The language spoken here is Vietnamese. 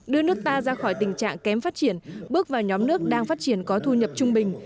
đưa nước ta ra khỏi tình trạng kém phát triển bước vào nhóm nước đang phát triển có thu nhập trung bình